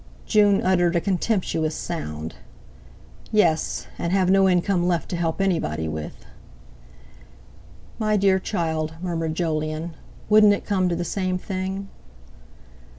June uttered a contemptuous sound. "Yes; and have no income left to help anybody with." "My dear child," murmured Jolyon, "wouldn't it come to the same thing?"